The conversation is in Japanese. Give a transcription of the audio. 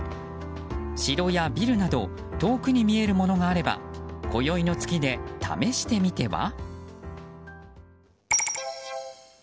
城やビルなど遠くに見えるものがあれば今宵の月で試してみては？